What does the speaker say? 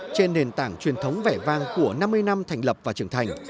trên nền tảng truyền thống vẻ vang của năm mươi năm thành lập và trưởng thành